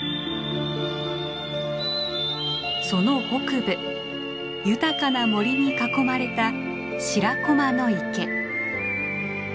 その北部豊かな森に囲まれた白駒の池。